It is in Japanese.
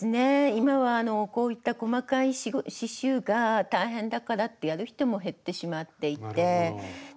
今はこういった細かい刺しゅうが大変だからってやる人も減ってしまっていて。